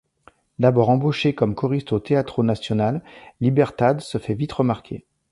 D’abord embauchée comme choriste au Teatro Nacional, Libertad se fait vite remarquer.